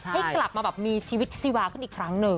ให้กลับมาแบบมีชีวิตซีวาขึ้นอีกครั้งหนึ่ง